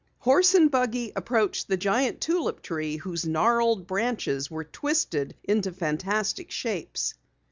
Horse and buggy approached the giant tulip tree whose gnarled branches were twisted into fantastic shapes.